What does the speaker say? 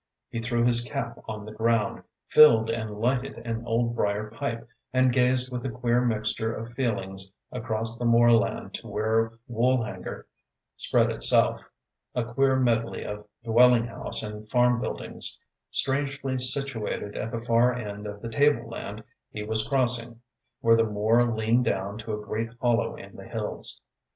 He threw his cap on the ground, filled and lighted an old briar pipe, and gazed with a queer mixture of feelings across the moorland to where Woolhanger spread itself, a queer medley of dwelling house and farm buildings, strangely situated at the far end of the table land he was crossing, where the moor leaned down to a great hollow in the hills.